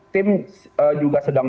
tim juga sedang